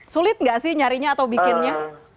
sulit nggak sih nyarinya atau bikinnya